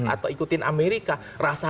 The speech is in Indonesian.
atau ikutin amerika rasa